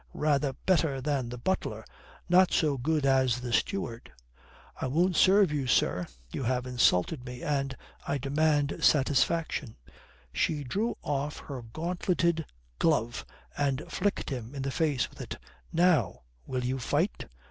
Rather better than the butler. Not so good as the steward." "It won't serve you, sir. You have insulted me, and I demand satisfaction." She drew off her gauntleted glove and flicked him in the face with it. "Now will you fight?"